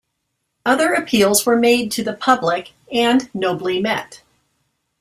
Other appeals were made to the public, and nobly met.